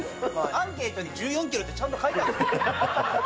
アンケートに１４キロってちゃんと書いたでしょ。